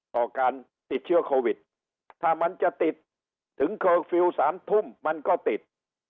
ต่อการติดเชื้อโควิดถ้ามันจะติดถึงสามทุ่มมันก็ติด